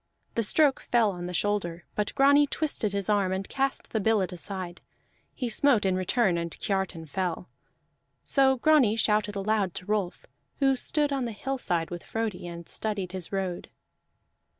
The stroke fell on the shoulder, but Grani twisted his arm and cast the billet aside; he smote in return, and Kiartan fell. So Grani shouted aloud to Rolf, who stood on the hillside with Frodi and studied his road.